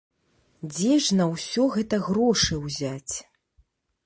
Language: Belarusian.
Дзе ж на ўсё гэта грошы ўзяць?